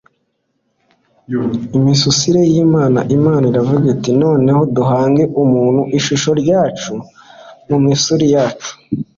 misusire y'imana imana iravuga iti 'noneho duhange muntu mu ishusho ryacu, mu misusire yacu